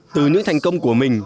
từ những thành công của israel